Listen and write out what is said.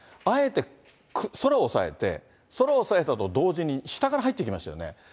あえて空を抑えて、空を抑えたと同時に下から入ってきましたよね。